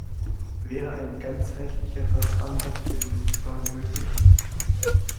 Wäre ein ganzheitlicherer Ansatz bei diesen Fragen möglich?